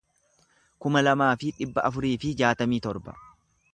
kuma lamaa fi dhibba afurii fi jaatamii torba